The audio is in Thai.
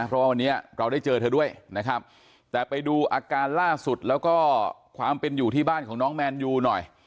เพราะว่าวันนี้เราได้เจอเธอด้วยนะครับแต่ไปดูอาการล่าสุดแล้วก็ความเป็นอยู่ที่บ้านของน้องแมนยูหน่อย